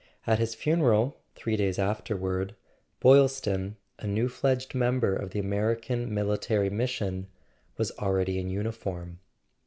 At his funeral, three days afterward, Boylston, a new fledged member of the American Military Mission, was already in uniform.